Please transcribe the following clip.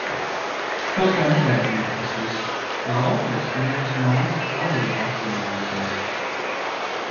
Kaut kā negaidīti tas viss! Laukos Ievas mamma arī vakcinējusies.